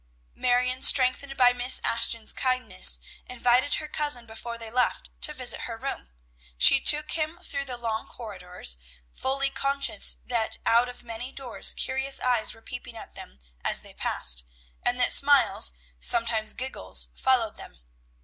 Marion, strengthened by Miss Ashton's kindness, invited her cousin before they left to visit her room. She took him through the long corridors, fully conscious that out of many doors curious eyes were peeping at them as they passed, and that smiles, sometimes giggles, followed them.